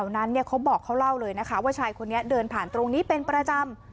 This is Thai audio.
ว่าชายคนนี้เดินผ่านตรงนี้เป็นประจำ